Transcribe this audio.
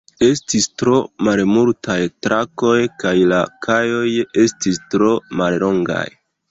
Estis tro malmultaj trakoj kaj la kajoj estis tro mallongaj.